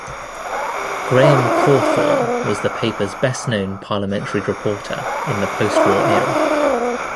Graham Cawthorne was the paper's best-known Parliamentary reporter in the post-war era.